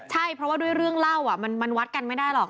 ใช่เพราะว่าด้วยเรื่องเล่ามันวัดกันไม่ได้หรอก